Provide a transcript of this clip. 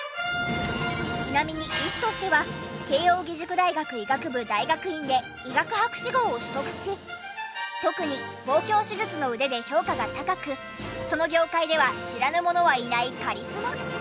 ちなみに医師としては慶應義塾大学医学部大学院で医学博士号を取得し特に豊胸手術の腕で評価が高くその業界では知らぬ者はいないカリスマ。